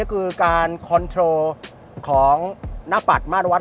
ก็คือการคอนโทรของหน้าปัดมาตรวัฒ